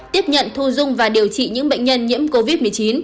tiếp nhận thu dung và điều trị những bệnh nhân nhiễm covid một mươi chín